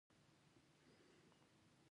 چندراګوپتا موریه دلته راغلی و